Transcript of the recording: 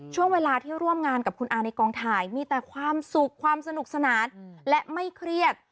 ช่วงเวลาที่ร่วมงานกับคุณอาในกองถ่ายมีแต่ความสุขความสนุกสนานและไม่เครียด